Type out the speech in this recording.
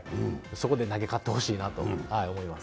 そこで投げ勝ってほしいなと思います。